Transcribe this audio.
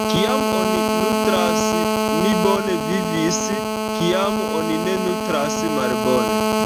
Kiam oni nutras, mi bone vivis, kiam oni ne nutras - malbone.